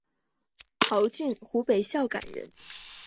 陶峻湖北孝感人。